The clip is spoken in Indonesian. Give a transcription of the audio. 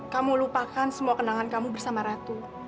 kamu lupakan semua kenangan kamu bersama ratu